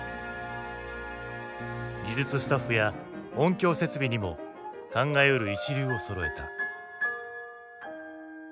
技術スタッフや音響設備にも考えうる一流をそろえた。